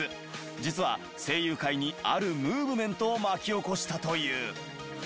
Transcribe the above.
実は声優界にあるムーブメントを巻き起こしたという。